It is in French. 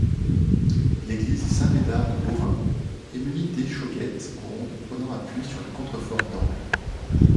L'église Saint-Médard de Beaurain est munie d'échauguettes rondes prenant appui sur les contreforts d'angle.